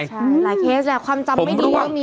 ใช่หลายเคสแหละความจำไม่ดีไม่มี